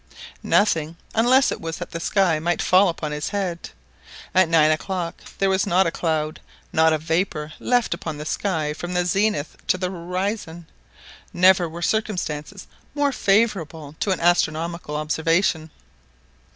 Nothing, unless it was that the sky might fall upon his head! At nine o'clock there was not a cloud, not a vapour left upon the sky from the zenith to the horizon. Never were circumstances more favourable to an astronomical observation.